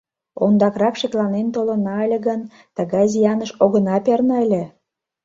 Ондакрак шекланен толына ыле гын, тыгай зияныш огына перне ыле...